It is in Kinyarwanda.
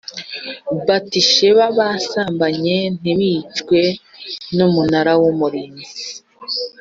Batisheba basambanye ntibicwe Umunara w Umurinzi